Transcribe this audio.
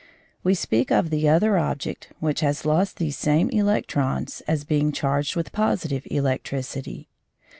We speak of the other object, which has lost these same electrons, as being charged with positive electricity.